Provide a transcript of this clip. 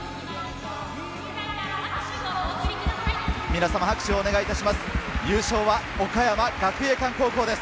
皆様、拍手をお願いいたします。